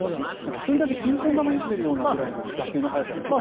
１人だけピンポン球を打ってるかのような打球の速さですよね。